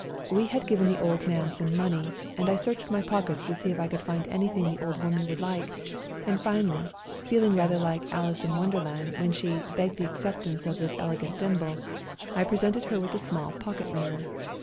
We had given the old man some money, and I searched my pockets to see if I could find anything the old woman would like, and finally, feeling rather like " Alice in Wonderland " when she " begged the acceptance of this elegant thimble," I presented her with a small pocket mirror.